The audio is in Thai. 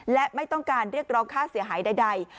และไม่ต้องการเรียกร้องค่าเสียหายใด